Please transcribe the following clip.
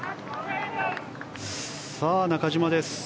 さあ、中島です。